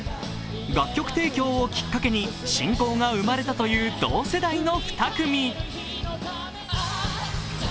楽曲提供をきっかけに親交が生まれたという同世代の２組。